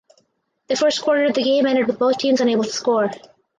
The first quarter of the game ended with both teams unable to score.